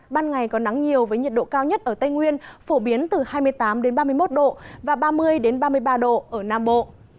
ban ngày có nắng nhiều với nhiệt độ cao nhất ở tây nguyên phổ biến từ hai mươi tám ba mươi một độ và ba mươi ba mươi ba độ ở nam bộ